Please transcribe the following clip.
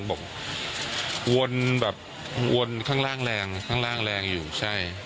วนแบบวนข้างล่างแรงข้างล่างแรงอยู่ใช่